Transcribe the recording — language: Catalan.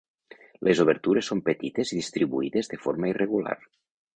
Les obertures són petites i distribuïdes de forma irregular.